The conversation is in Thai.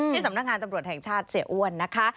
สำนักงานตำรวจแห่งชาติเสียอ้วนนะคะ